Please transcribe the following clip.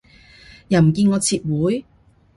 又唔見我撤回